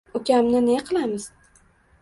— Ukamni ne qilamiz?